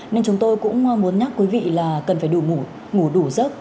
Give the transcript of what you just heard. nên chúng tôi cũng muốn nhắc quý vị là cần phải đủ ngủ đủ giấc